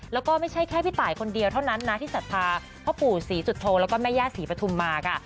แล้วก็ไม่ใช่แค่พี่ตายคนเดียวเท่านั้นนะที่ศรัทธาพ่อปู่ศรีสุโธแล้วก็แม่ย่าศรีปฐุมมาค่ะ